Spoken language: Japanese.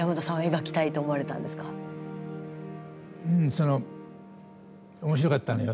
その面白かったのよ。